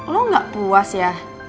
lo gak puas ya